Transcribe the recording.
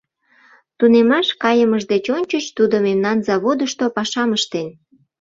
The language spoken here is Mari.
Тунемаш кайымыж деч ончыч тудо мемнан заводышто пашам ыштен.